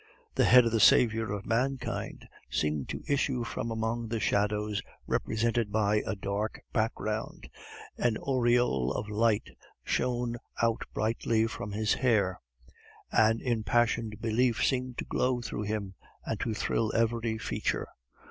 The head of the Saviour of mankind seemed to issue from among the shadows represented by a dark background; an aureole of light shone out brightly from his hair; an impassioned belief seemed to glow through him, and to thrill every feature.